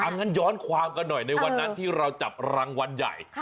งั้นย้อนความกันหน่อยในวันนั้นที่เราจับรางวัลใหญ่